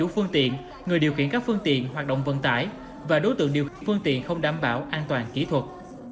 phương tiện người điều khiển các phương tiện hoạt động vận tải và đối tượng điều phương tiện không đảm bảo an toàn kỹ thuật